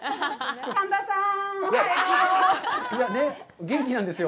神田さん！